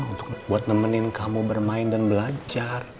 untuk buat nemenin kamu bermain dan belajar